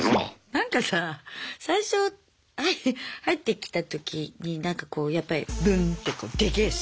なんかさあ最初入ってきた時になんかこうやっぱりブンッてこうでけえし。